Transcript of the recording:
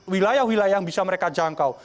wilayah wilayah yang bisa mereka jangkau